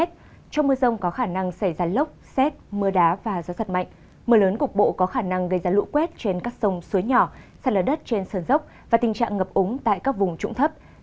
trong mưa rông có khả năng xảy ra lốc xét mưa đá và gió giật mạnh mưa lớn cục bộ có khả năng gây ra lũ quét trên các sông suối nhỏ sạt lở đất trên sơn dốc và tình trạng ngập úng tại các vùng trụng thấp